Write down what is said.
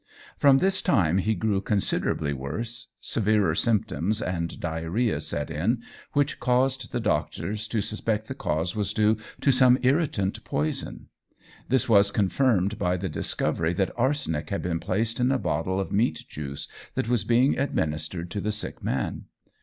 From this time he grew considerably worse, severer symptoms and diarrhoea set in, which caused the doctors to suspect the cause was due to some irritant poison. This was confirmed by the discovery that arsenic had been placed in a bottle of meat juice that was being administered to the sick man.